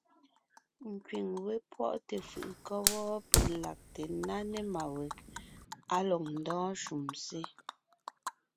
Nkẅíŋ wé pwɔ́ʼte fʉʼʉ kɔ́ wɔ́ peg lagte ńná ne má weg á lɔg ndɔ́ɔn shúm sé.